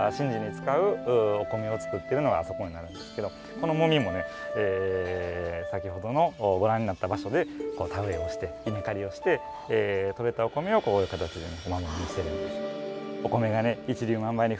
このもみもね先ほどのご覧になった場所で田植えをして稲刈りをしてとれたお米をこういう形でお守りにしてるんです。